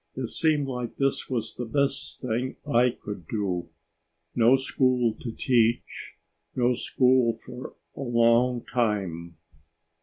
It seemed like this was the best thing I could do. No school to teach. No school for a long time."